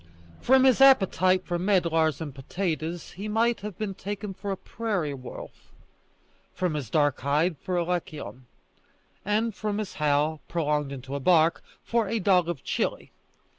From his appetite for medlars and potatoes he might have been taken for a prairie wolf; from his dark hide, for a lycaon; and from his howl prolonged into a bark, for a dog of Chili.